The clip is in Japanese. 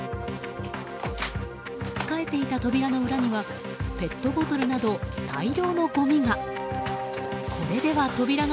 つっかえていた扉の裏にはペットボトルなど大量のごみが。